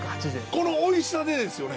このおいしさでですよね？